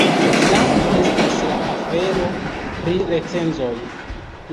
Sama estas la afero pri recenzoj.